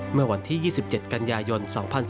เมื่อวันที่๒๗กันยายน๒๔